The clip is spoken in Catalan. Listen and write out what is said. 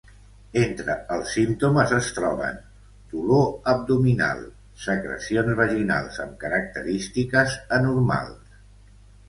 Entre els símptomes es troben: dolor abdominal, secrecions vaginals amb característiques anormals.